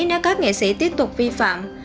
nếu các nghệ sĩ tiếp tục vi phạm